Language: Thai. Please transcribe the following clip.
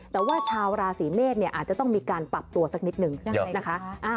แต่ว่าชาวราศีเมษเนี่ยอาจจะต้องมีการปรับตัวสักนิดนึงนะคะ